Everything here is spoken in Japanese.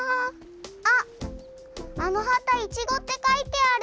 あっあのはた「いちご」ってかいてある！